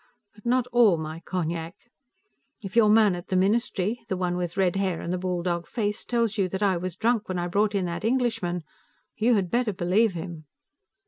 But not all my cognac! If your man at the Ministry the one with red hair and the bulldog face tells you that I was drunk when I brought in that Englishman, you had better believe him!